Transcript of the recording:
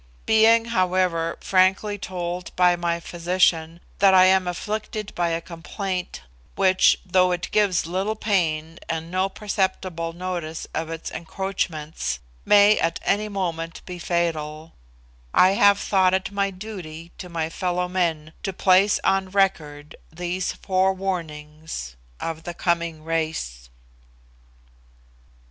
Being, however, frankly told by my physician that I am afflicted by a complaint which, though it gives little pain and no perceptible notice of its encroachments, may at any moment be fatal, I have thought it my duty to my fellow men to place on record these forewarnings of The Coming Race.